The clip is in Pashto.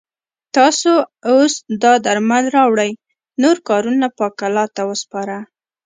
تاسو اوس دا درمل راوړئ نور کارونه پاک الله ته وسپاره.